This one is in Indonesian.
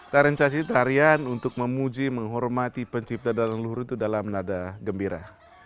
tarian caci itu tarian untuk memuji menghormati pencipta dan luhur itu dalam nada gembira